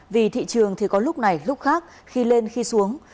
vì thị trường thì có lúc này lúc khác khi lên khi xuống